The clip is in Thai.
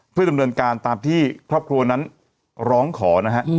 เพื่อดำเนินการตามที่ครอบครัวนั้นร้องขอนะฮะ